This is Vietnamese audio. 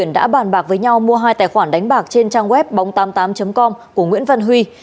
đã bàn bạc với nhau mua hai tài khoản đánh bạc trên trang web bóng tám mươi tám com của nguyễn văn huy